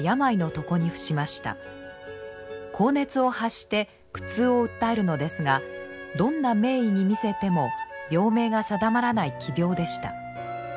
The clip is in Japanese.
高熱を発して苦痛を訴えるのですがどんな名医に診せても病名が定まらない奇病でした。